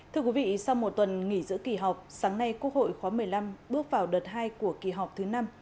thưa quý vị sau một tuần nghỉ giữa kỳ họp sáng nay quốc hội khóa một mươi năm bước vào đợt hai của kỳ họp thứ năm